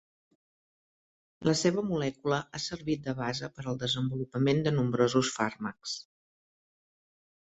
La seva molècula ha servit de base per al desenvolupament de nombrosos fàrmacs.